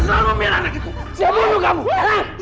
kamu memang selalu memilih anak itu